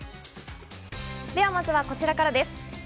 まずはこちらからです。